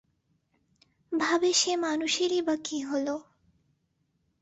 ভাবে- সে মানুষেরই বা কি হল?